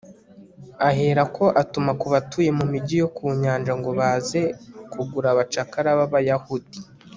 ahera ko atuma ku batuye mu migi yo ku nyanja ngo baze kugura abacakara b'abayahudi